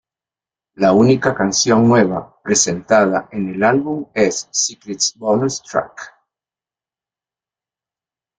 La única canción nueva presentada en el álbum es ""Secrets Bonus track"".